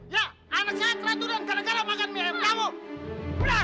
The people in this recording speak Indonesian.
ya anak saya kerajaan kadang kadang makan mie ayam kamu